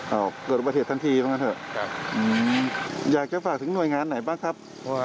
เอาเกิดประเธททันทีต้องกันสินะครับอยากจะฝากถึงหน่วยงานไหนบ้างครับ